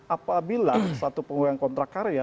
apabila satu penggunaan kontrak karya